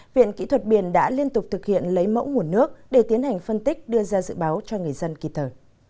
viện kỹ thuật biển đã liên tục thực hiện lấy mẫu nguồn nước để tiến hành phân tích đưa ra dự báo cho người dân kỳ thờ